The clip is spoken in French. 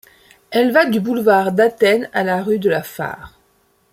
Elle va du boulevard d'Athènes à la rue de la Fare.